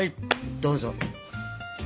どうぞ。